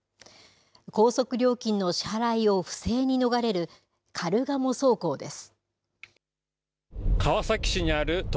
高速料金の支払いを不正に逃れる、カルガモ走行です。